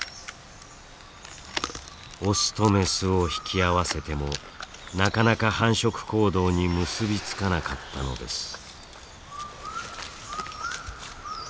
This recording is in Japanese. オスとメスを引き合わせてもなかなか繁殖行動に結び付かなかったのです。